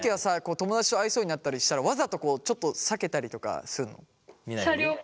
友だちと会いそうになったりしたらわざとこうちょっと避けたりとかするの？